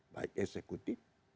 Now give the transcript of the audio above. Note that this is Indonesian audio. bebas dari pengaruh kekuasaan manapun